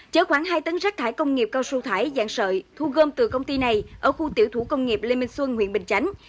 chở khoảng hai tấn rác thải công nghiệp cao su thải dạng sợi thu gom từ công ty này ở khu tiểu thủ công nghiệp lê minh xuân huyện bình chánh